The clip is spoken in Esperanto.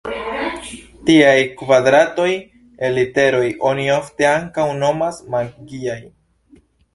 Tiaj kvadratoj el literoj oni ofte ankaŭ nomas magiaj.